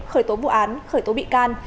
khởi tố vụ án khởi tố bị can